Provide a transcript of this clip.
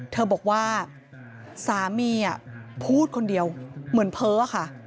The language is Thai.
เธอบอกว่าสามีพูดคนเดียวเหมือนเพ้อค่ะ